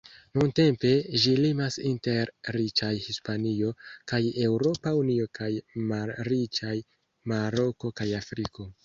Nuntempe, ĝi limas inter riĉaj Hispanio kaj Eŭropa Unio kaj malriĉaj Maroko kaj Afriko.